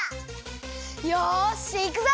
よしいくぞ！